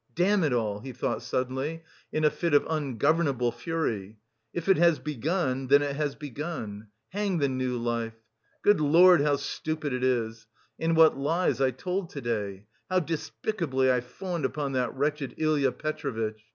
"Damn it all!" he thought suddenly, in a fit of ungovernable fury. "If it has begun, then it has begun. Hang the new life! Good Lord, how stupid it is!... And what lies I told to day! How despicably I fawned upon that wretched Ilya Petrovitch!